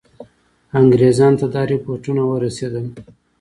انګرېزانو ته دا رپوټونه ورسېدل.